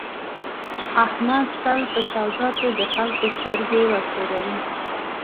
احمد تل په سودا کې د خلکو سترګې ورتوروي.